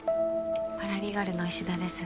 パラリーガルの石田です